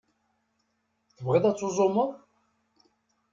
Tebɣiḍ ad tuẓumeḍ?